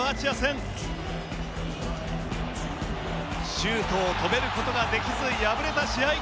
シュートを止める事ができず敗れた試合。